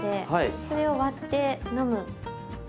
それを割って飲む。